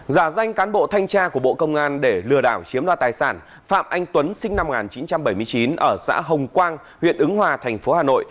giả danh cán bộ thanh tra của bộ công an để lừa đảo chiếm đoạt tài sản phạm anh tuấn sinh năm một nghìn chín trăm bảy mươi chín ở xã hồng quang huyện ứng hòa thành phố hà nội